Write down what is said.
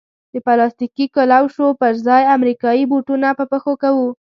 د پلاستیکي کلوشو پر ځای امریکایي بوټونه په پښو کوو.